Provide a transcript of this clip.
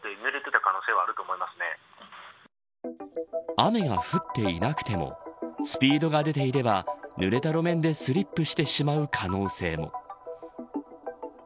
雨が降っていなくてもスピードが出ていれば濡れた路面でスリップしてしまう可能性も。